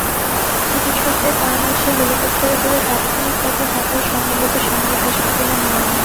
চিকিৎসকদের পরামর্শে হেলিকপ্টারে করে তাত্ক্ষণিক তাঁকে ঢাকায় সম্মিলিত সামরিক হাসপাতালে নেওয়া হয়।